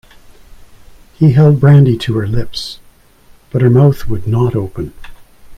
He held brandy to her lips, but her mouth would not open.